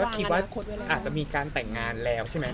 คิดว่าอาจจะมีการแต่งงานแล้วใช่ไหม